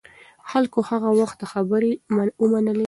خلکو هغه وخت دا خبرې ومنلې.